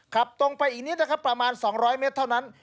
ขับตรงไปอีกนิดนะครับประมาณ๒๐๐เมตรเท่านั้น